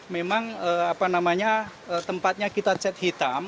memang apa namanya tempatnya kita set hitam